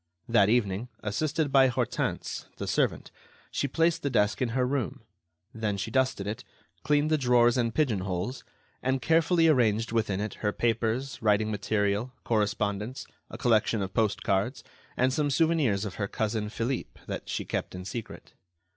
That evening, assisted by Hortense, the servant, she placed the desk in her room; then she dusted it, cleaned the drawers and pigeon holes, and carefully arranged within it her papers, writing material, correspondence, a collection of post cards, and some souvenirs of her cousin Philippe that she kept in secret.